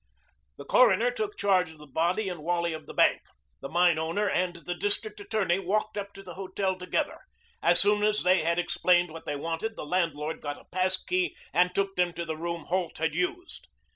The coroner took charge of the body and Wally of the bank. The mine owner and the district attorney walked up to the hotel together. As soon as they had explained what they wanted, the landlord got a passkey and took them to the room Holt had used.